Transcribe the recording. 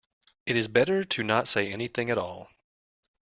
It is better to not say anything at all.